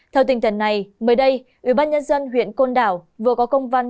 theo tình trạng này mới đây ủy ban nhân dân huyện côn đảo vừa có công văn